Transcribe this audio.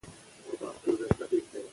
که پنسل تیره وي نو لیکنه نه پیکه کیږي.